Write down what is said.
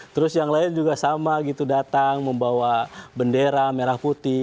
terus yang lain juga sama gitu datang membawa bendera merah putih